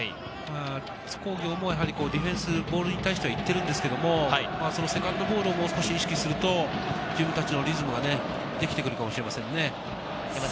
津工業もディフェンスボールに対しては行っているんですけれども、セカンドボールをもう少し意識すると自分達のリズムができてくるかもしれませんね。